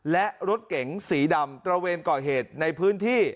และรถเก๋งสีดำตระเวนก่อเหตุในพื้นที่